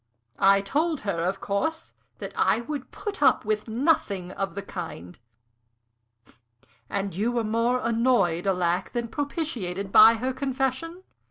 I told her, of course, that I would put up with nothing of the kind." "And were more annoyed, alack! than propitiated by her confession?"